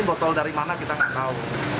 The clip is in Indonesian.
botol dari mana kita nggak tahu